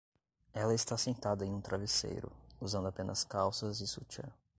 Ela está sentada em um travesseiro, usando apenas calças e sutiã.